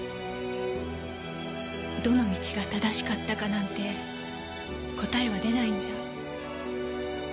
どの道が正しかったかなんて答えは出ないんじゃ。